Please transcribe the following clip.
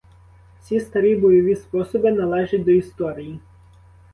Сі старі бойові способи належать до історії.